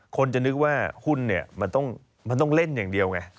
คนจะนึกว่าหุ้นเนี่ยมันต้องเล่นอย่างเดียวไง